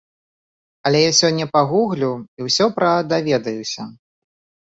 Але я сёння пагуглю і ўсё пра даведаюся!